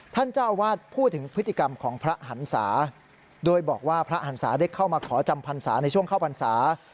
ท่านเจ้าอาวาสพูดถึงพฤติกรรมของพระหันศาโดยบอกว่าพระหันศาได้เข้ามาขอจำพรรษาในช่วงเข้าพรรษา